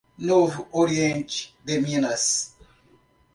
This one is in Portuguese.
Novo Oriente de Minas